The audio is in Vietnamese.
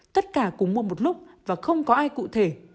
tất cả cùng mua một lúc và không có ai cụ thể